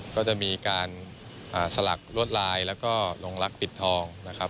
ก็จะมีการสลักลวดลายแล้วก็ลงรักปิดทองนะครับ